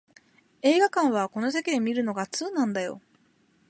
映画館はこの席で観るのが通なんだよ